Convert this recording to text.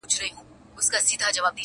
په یوه کلي کي له ښاره څخه لیري لیري!.